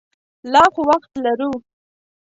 لا خو وخت لرو.